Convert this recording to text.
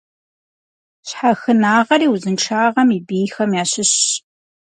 Щхьэхынагъэри узыншагъэм и бийхэм ящыщщ.